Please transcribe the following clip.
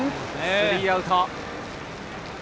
スリーアウト。